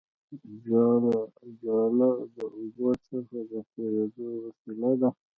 جاله د اوبو څخه د تېرېدو وسیله ده